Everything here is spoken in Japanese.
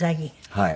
はい。